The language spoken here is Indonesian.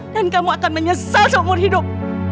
dan kamu akan menyesal seumur hidup